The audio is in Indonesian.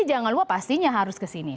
jangan lupa pastinya harus ke sini